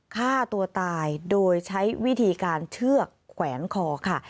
ฆ่าตัวตายโดยใช้วิธีการเชือกแขวนคอค่ะ